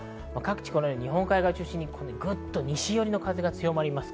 日本海側を中心に、グッと西寄りの風が強まりそうです。